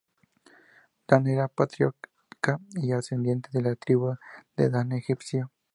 Dan era patriarca y ascendiente de la tribu de Dan en Egipto.